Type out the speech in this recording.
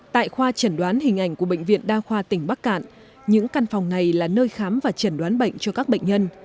tại khoa chẩn đoán hình ảnh của bệnh viện đa khoa tỉnh bắc cạn những căn phòng này là nơi khám và chẩn đoán bệnh cho các bệnh nhân